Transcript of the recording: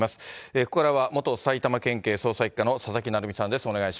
ここからは、元埼玉県警捜査１課の佐々木成三さんです。